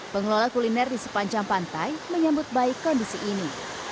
pengelola kuliner di sepanjang pantai menyambut baik kondisi ini